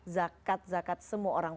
zakat zakat semua orang